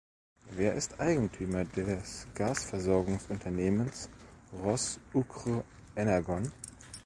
Wer ist Eigentümer des Gasversorgungsunternehmens Ros-Ukr-Energon?